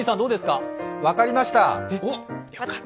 分かりました！